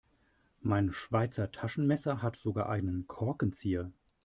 Mein Schweizer Taschenmesser hat sogar einen Korkenzieher.